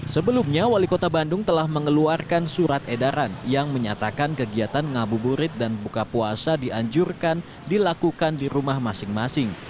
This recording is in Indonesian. sebelumnya wali kota bandung telah mengeluarkan surat edaran yang menyatakan kegiatan ngabuburit dan buka puasa dianjurkan dilakukan di rumah masing masing